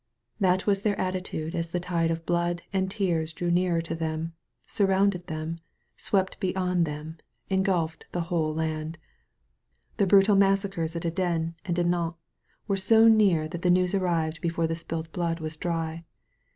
That was their attitude as the tide of blood and tears drew nearer to them, surrounded them, swept beyond them, engulfed the whole land. The brutal massacres at Andenne and Dinant were so near that the news arrived before the spilt blood was dry.